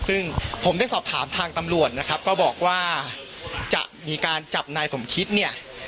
ซึ่งผมได้สอบถามทางตำรวจนะครับก็บอกว่าจะมีการจับนายสมคิดเนี่ย